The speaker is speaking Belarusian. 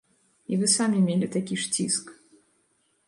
І вы самі мелі такі ж ціск.